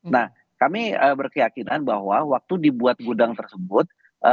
nah kami berkeyakinan bahwa waktu dibuat gudang tersebut